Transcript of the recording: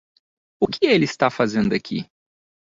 O que ele está fazendo aqui?